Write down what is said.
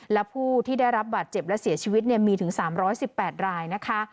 และผู้ที่ได้รับบาดเจ็บและเสียชีวิตมีถึง๓๑๘รายนะคะ